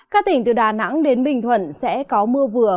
các tỉnh từ đà nẵng đến bình thuận sẽ có mưa vừa